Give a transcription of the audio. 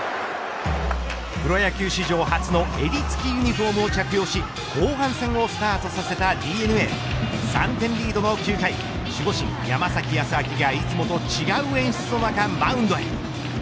プロ野球史上初の襟付きユニホームを着用し後半戦をスタートさせたＤｅＮＡ３点リードの９回守護神、山崎康晃がいつもと違う演出の中、マウンドへ。